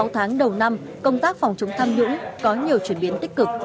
sáu tháng đầu năm công tác phòng chống tham nhũng có nhiều chuyển biến tích cực